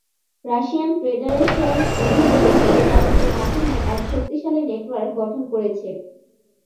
Russian federation বিভিন্ন দেশে দূতাবাসের মাধ্যমে এক শক্তিশালী নেটওয়ার্ক গঠন করেছে।